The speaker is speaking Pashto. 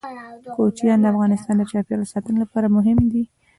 کوچیان د افغانستان د چاپیریال ساتنې لپاره مهم دي.